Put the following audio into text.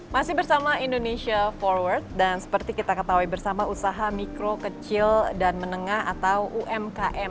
masih bersama indonesia forward dan seperti kita ketahui bersama usaha mikro kecil dan menengah atau umkm